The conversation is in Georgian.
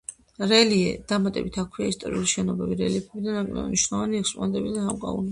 დამატებით აქვეა ისტორიული შენობები, რელიეფები და ნაკლებად მნიშვნელოვანი ექსპონატები და სამკაულები.